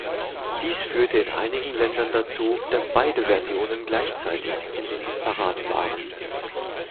Dies führte in einigen Ländern dazu, dass beide Versionen gleichzeitig in den Hitparaden waren.